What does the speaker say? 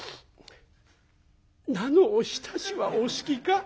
「菜のおひたしはお好きか？」。